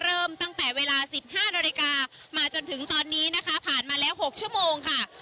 เริ่มตั้งแต่เวลา๑๕นาฬิกามาจนถึงตอนนี้นะคะผ่านมาแล้ว๖ชั่วโมงค่ะ